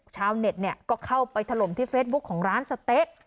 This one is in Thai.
ชาวเน็ตเนี่ยก็เข้าไปถล่มที่เฟซบุ๊คของร้านสะเต๊ะ